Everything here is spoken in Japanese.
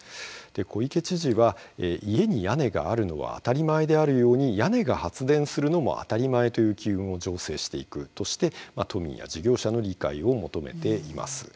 小池知事は家に屋根があるのは当たり前であるように、屋根が発電するのも当たり前という機運を醸成していくとして都民や事業者の理解を求めています。